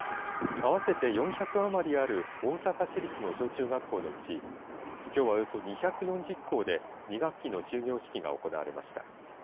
合わせて４００余りある大阪市立の小学校のうちきょうは、およそ２４０校で２学期の終業式が行われました。